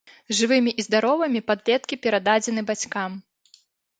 Жывымі і здаровымі падлеткі перададзены бацькам.